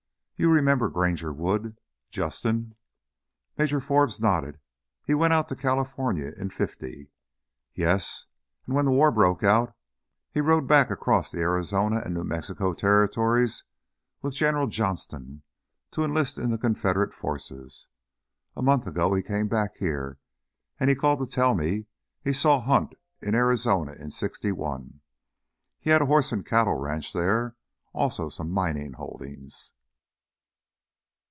You remember Granger Wood, Justin?" Major Forbes nodded. "He went out to California in '50." "Yes, and when the war broke out he rode back across the Arizona and New Mexico territories with General Johnston to enlist in the Confederate forces. A month ago he came back here and he called to tell me he saw Hunt in Arizona in '61. He had a horse and cattle ranch there, also some mining holdings."